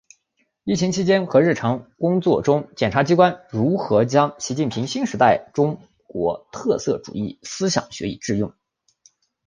疫情期间和日常工作中检察机关如何将习近平新时代中国特色社会主义思想学以致用